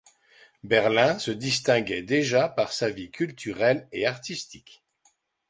Berlin se distinguait déjà par sa vie culturelle et artistique.